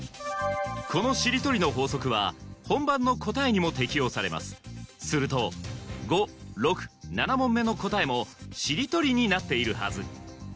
このしりとりの法則は本番の答えにも適用されますすると５・６・７問目の答えもしりとりになっているはず